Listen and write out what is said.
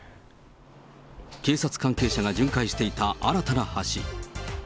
警察関係者が巡回していた新たな橋。